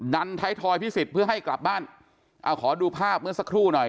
ไทยทอยพิสิทธิ์เพื่อให้กลับบ้านเอาขอดูภาพเมื่อสักครู่หน่อย